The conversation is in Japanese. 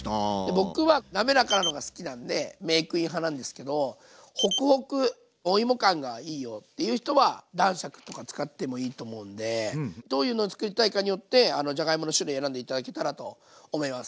僕はなめらかなのが好きなんでメークイン派なんですけどホクホクお芋感がいいよっていう人は男爵とか使ってもいいと思うんでどういうのを作りたいかによってじゃがいもの種類選んで頂けたらと思います。